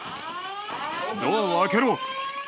ドアを開けろ。